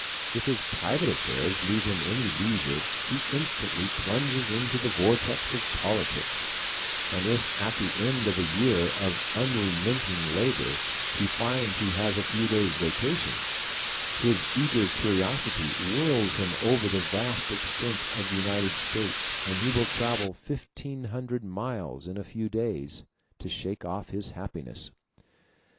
If his private affairs leave him any leisure, he instantly plunges into the vortex of politics; and if at the end of a year of unremitting labor he finds he has a few days' vacation, his eager curiosity whirls him over the vast extent of the United States, and he will travel fifteen hundred miles in a few days, to shake off his happiness.